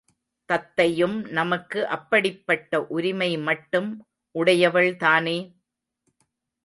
தத்தையும் நமக்கு அப்படிப்பட்ட உரிமை மட்டும் உடையவள்தானே?